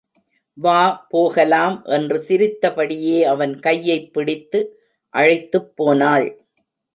வா போகலாம் என்று சிரித்தபடியே அவன் கையைப் பிடித்து அழைத்துப் போனாள்.